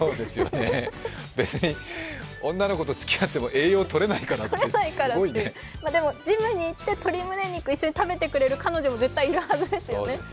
女の子とつきあっても栄養とれないからでもジムに行って鶏むね肉を一緒に食べてくれる彼女も一緒にいるはずですよね。